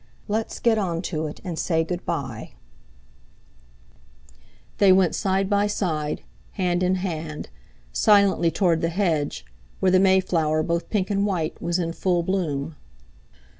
Let's get on to it and say good bye." They went side by side, hand in hand, silently toward the hedge, where the may flower, both pink and white, was in full bloom.